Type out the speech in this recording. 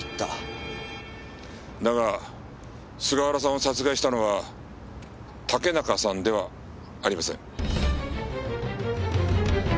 だが菅原さんを殺害したのは竹中さんではありません。